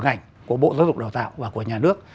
ngành của bộ giáo dục đào tạo và của nhà nước